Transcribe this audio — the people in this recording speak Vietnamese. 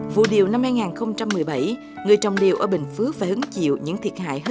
vụ điều năm hai nghìn một mươi bảy người trồng điều ở bình phước phải hứng chịu những thiệt hại hơn